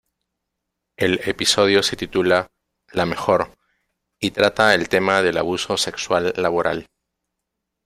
El episodio se titula "La mejor" y trata el tema del abuso sexual laboral.